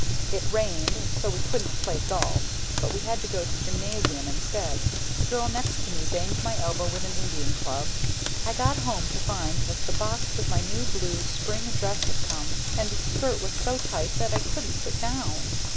It rained so we couldn't play golf, but had to go to gymnasium instead. The girl next to me banged my elbow with an Indian club. I got home to find that the box with my new blue spring dress had come, and the skirt was so tight that I couldn't sit down.